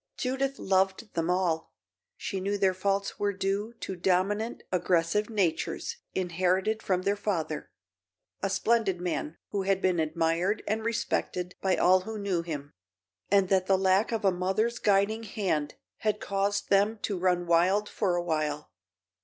Judith loved them all. She knew their faults were due to dominant, aggressive natures inherited from their father, a splendid man who had been admired and respected by all who knew him, and that the lack of a mother's guiding hand had caused them to run wild for a while.